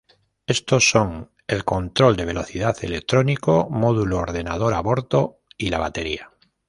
Estos son el control de velocidad electrónico, módulo, ordenador a bordo y la batería.